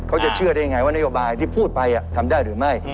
เขาจะเชื่อได้ยังไงว่านโยบายที่พูดไปทำได้หรือไม่